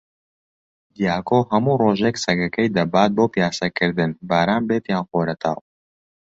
دیاکۆ هەموو ڕۆژێک سەگەکەی دەبات بۆ پیاسەکردن، باران بێت یان خۆرەتاو.